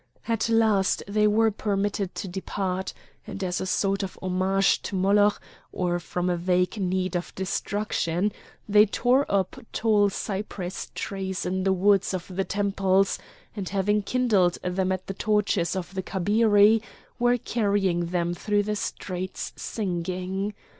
At last they were permitted to depart, and as a sort of homage to Moloch, or from a vague need of destruction, they tore up tall cypress trees in the woods of the temples, and having kindled them at the torches of the Kabiri, were carrying them through the streets singing.